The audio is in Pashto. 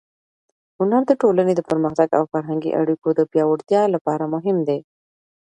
هنر د ټولنې د پرمختګ او فرهنګي اړیکو د پیاوړتیا لپاره مهم دی.